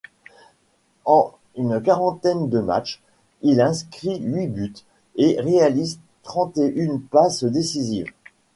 En une quarantaine de matchs, il inscrit huit buts et réalise trente-et-une passes décisives.